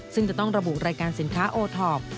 ซึ่งจะต้องระบุรายการสินค้าโอทอป